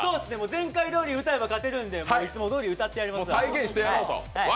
前回どおり歌えば勝てるんでいつもどおり歌ってやりますわ。